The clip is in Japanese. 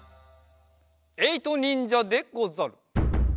えいとにんじゃでござる。